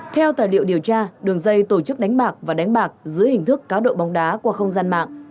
theo tài liệu điều tra đường dây tổ chức đánh bạc và đánh bạc dưới hình thức cáo độ bóng đá qua không gian mạng